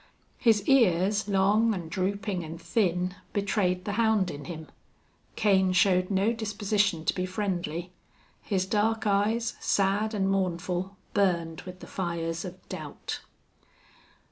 His ears, long and drooping and thin, betrayed the hound in him. Kane showed no disposition to be friendly. His dark eyes, sad and mournful, burned with the fires of doubt.